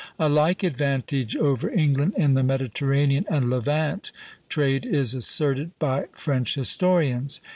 A like advantage over England in the Mediterranean and Levant trade is asserted by French historians.